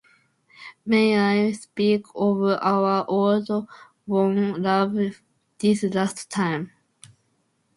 May I speak of our old, worn love, this last time?